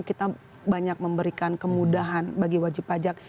kita banyak memberikan kemudahan bagi wajib pajak